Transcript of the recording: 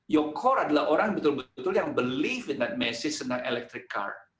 core anda adalah orang yang betul betul yang percaya pada pesan tentang mobil elektrik